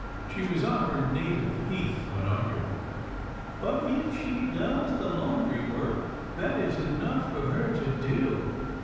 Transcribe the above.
She was on her native heath when arguing. " But if she does the laundry work, that is enough for her to do.